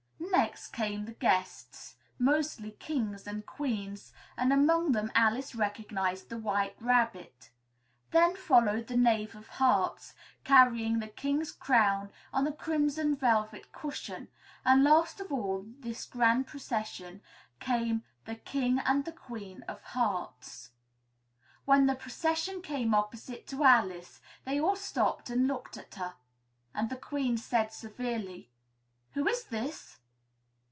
Next came the guests, mostly Kings and Queens, and among them Alice recognized the White Rabbit. Then followed the Knave of Hearts, carrying the King's crown on a crimson velvet cushion; and last of all this grand procession came THE KING AND THE QUEEN OF HEARTS. When the procession came opposite to Alice, they all stopped and looked at her, and the Queen said severely, "Who is this?"